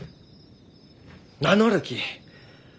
名乗るき！